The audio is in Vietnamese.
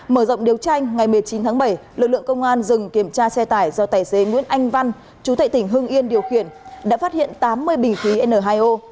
mở rộng điều tra ngày một mươi chín tháng bảy lực lượng công an dừng kiểm tra xe tải do tài xế nguyễn anh văn chú tệ tỉnh hưng yên điều khiển đã phát hiện tám mươi bình khí n hai o